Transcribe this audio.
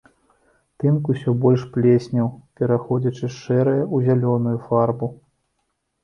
Тынк усё больш плеснеў, пераходзячы з шэрае ў зялёную фарбу.